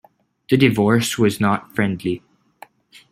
The divorce was not friendly.